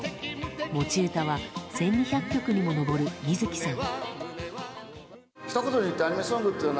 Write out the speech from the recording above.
持ち歌は１２００曲にも上る水木さん。